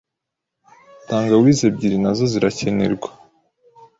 Tangawizi ebyiri nazo zirakenerwa.